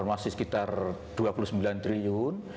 masih sekitar rp dua puluh sembilan triliun